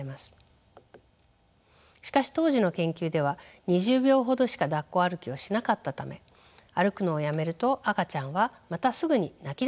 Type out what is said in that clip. しかし当時の研究では２０秒ほどしかだっこ歩きをしなかったため歩くのをやめると赤ちゃんはまたすぐに泣きだしてしまいました。